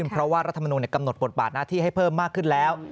เชิงรุกมากขึ้นเพราะว่ารัฐมนุมกำหนดบทบาทหน้าที่ให้เพิ่มมากขึ้นแล้ว